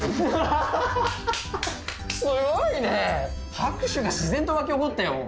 拍手が自然と湧き起こったよ。